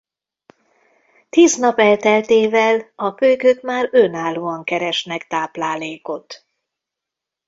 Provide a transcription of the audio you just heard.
Tíz nap elteltével a kölykök már önállóan keresnek táplálékot.